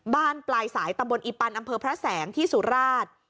บ้านปลายสายตำบลอีปันอำเภอพระแสงที่สุราช